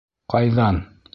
— Ҡайҙан?